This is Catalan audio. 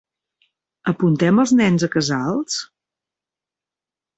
Apuntem els nens a casals?